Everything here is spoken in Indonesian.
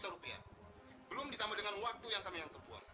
belum ditambah dengan waktu yang kami yang terbuang